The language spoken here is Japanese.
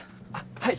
はい！